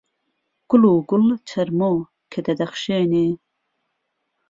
گوڵو گوڵ چهرمۆ که دهدهخشێنێ